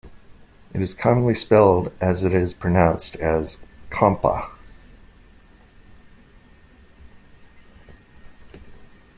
It is commonly spelled as it is pronounced as "kompa".